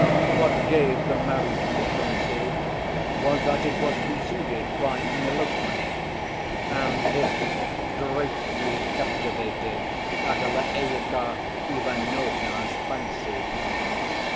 What gave the marriage piquancy was that it was preceded by an elopement, and this greatly captivated Adelaïda Ivanovna's fancy.